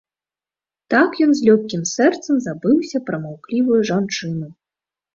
Так ён з лёгкім сэрцам забыўся пра маўклівую жанчыну.